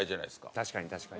確かに確かに。